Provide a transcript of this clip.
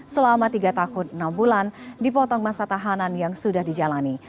selama tiga tahun enam bulan dipotong masa tahanan yang sudah dijalani